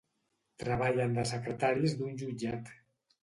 Treballen de secretaris d'un jutjat.